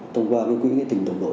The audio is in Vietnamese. thông qua quỹ tình đồng đội